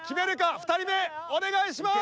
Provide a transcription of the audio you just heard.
２人目お願いします！